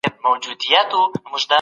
کمپيوټر وخت تنظيموي.